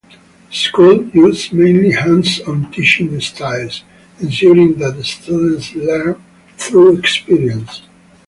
The school uses mainly hands-on teaching styles, ensuring that students learn through experience.